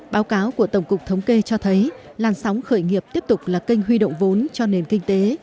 báo cáo của tổng cục thống kê cho thấy làn sóng khởi nghiệp tiếp tục là kênh huy động vốn cho nền kinh tế